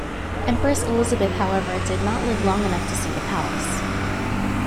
Empress Elizabeth, however, did not live long enough to see the palace.